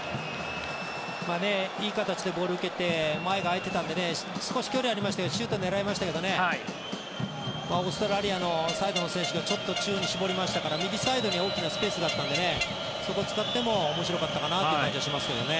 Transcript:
いい形でボールを受けて前が空いてたんで少し距離がありましたけどシュートを狙いましたけどオーストラリアのサイドの選手がちょっと注意を絞りましたから右サイドに大きなスペースがありましたからそこを使っても面白かったかなという感じがしますね。